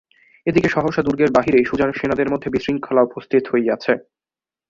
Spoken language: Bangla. এ দিকে সহসা দুর্গের বাহিরে সুজার সেনাদের মধ্যে বিশৃঙ্খলা উপস্থিত হইয়াছে।